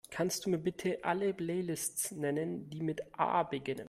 Kannst Du mir bitte alle Playlists nennen, die mit A beginnen?